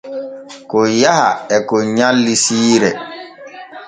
Kon yaha e kon nyalli siire.